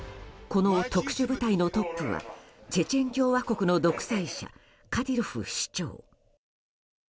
この特殊部隊のトップはチェチェン共和国の独裁者カディロフ首長。